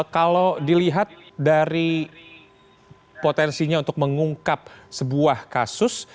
kalau dilihat dari potensinya untuk mengungkap sebuah kasus